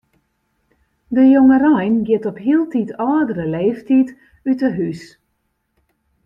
De jongerein giet op hieltyd âldere leeftiid út 'e hús.